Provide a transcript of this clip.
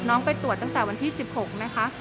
ไปตรวจตั้งแต่วันที่๑๖นะคะ